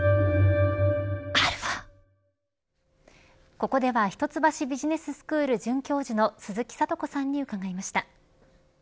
ここでは一橋ビジネススクール准教授の鈴木智子さんに伺いました。